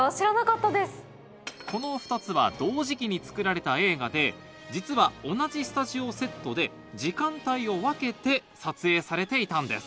この２つは同時期に作られた映画で実は同じスタジオをセットで時間帯を分けて撮影されていたんです